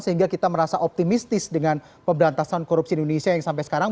sehingga kita merasa optimistis dengan pemberantasan korupsi indonesia yang sampai sekarang